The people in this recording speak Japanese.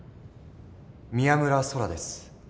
宮村空です。